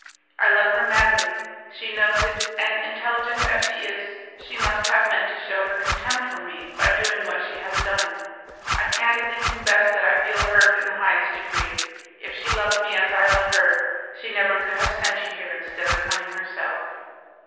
I love her madly; she knows it, and, intelligent as she is, she must have meant to shew her contempt for me by doing what she has done. I candidly confess that I feel hurt in the highest degree. If she loved me as I love her, she never could have sent you here instead of coming herself."